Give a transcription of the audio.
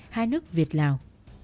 hai nước việt lào